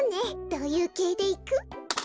どういうけいでいく？